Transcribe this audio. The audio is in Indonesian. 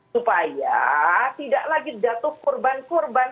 supaya tidak lagi jatuh korban korban